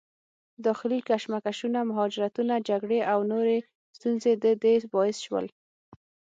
داخلي کشمکشونه، مهاجرتونه، جګړې او نورې ستونزې د دې باعث شول